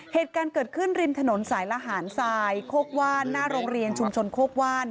เหตุการณ์เกิดขึ้นริมถนนสายละหารทรายโคกว่านหน้าโรงเรียนชุมชนโคกว่าน